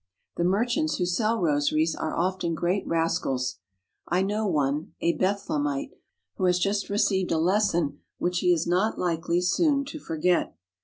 The merchants who sell rosaries are often great rascals, I know one, a Bethlehemite, who has just received a les son which he is not likely soon to forget.